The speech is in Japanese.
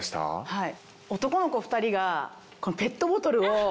はい。